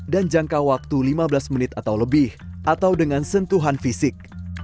dan jangka waktu lima belas menit atau lebih atau dengan sentuhan fisik